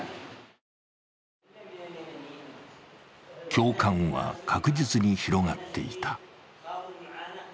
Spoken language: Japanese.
共感は確実に広がっていた。